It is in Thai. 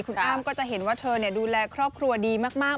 คุณอ้ำก็จะเห็นว่าเธอดูแลครอบครัวดีมาก